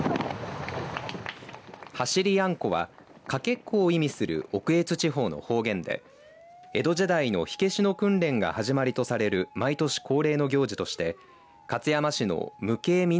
走りやんこはかけっこを意味する奥越地方の方言で江戸時代の火消しの訓練が始まりとされる毎年恒例の行事として勝山市の無形民俗